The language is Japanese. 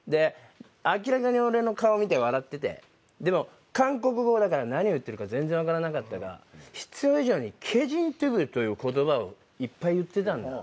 明らかに俺の顔見て笑っててでも韓国語だから何を言ってるか全然わからなかったが必要以上に「ケジントゥブ」という言葉をいっぱい言ってたんだ